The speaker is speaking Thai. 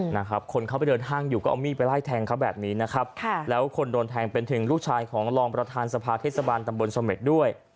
นะครับคนเข้าไปเดินห้างอยู่ก็เอามีดไปไล่แทงเขาแบบนี้นะครับค่ะแล้วคนโดนแทงเป็นถึงลูกชายของรองประธานสภาเทศบาลตำบลเสม็ดด้วย